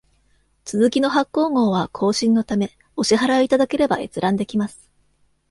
続きの発行号は更新のためお支払いいただければ閲覧できます。